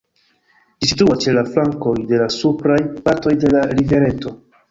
Ĝi situas ĉe la flankoj de la supraj partoj de la rivereto.